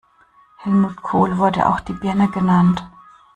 Helmut Kohl wurde auch "die Birne" genannt.